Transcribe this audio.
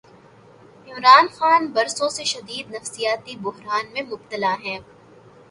عمران خان برسوں سے شدید نفسیاتی بحران میں مبتلا ہیں۔